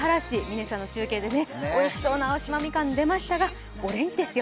嶺さんの中継でおいしそうな青島みかんが出ましたがオレンジですよ。